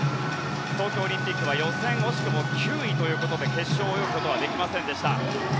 東京オリンピックは予選、惜しくも９位ということで決勝を泳ぐことはできませんでした。